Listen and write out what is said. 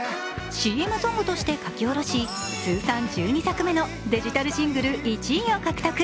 ＣＭソングとして書き下ろし通算１２作目のデジタルシングル１位を獲得。